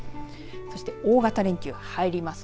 そして大型連休、入ります。